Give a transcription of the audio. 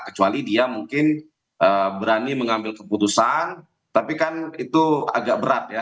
kecuali dia mungkin berani mengambil keputusan tapi kan itu agak berat ya